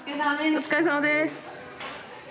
お疲れさまです。